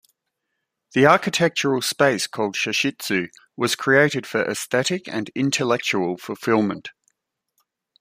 The architectural space called "chashitsu" was created for aesthetic and intellectual fulfillment.